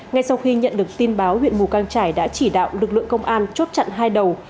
ngay sau khi nhận được tin báo huyện mù căng trải đã chỉ đạo lực lượng công an chốt chặn hai đầu